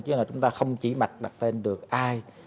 chứ là chúng ta không chỉ mạch đặt tên được ai